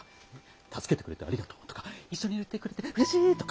「助けてくれてありがとう」とか「一緒にいてくれてうれしい」とか。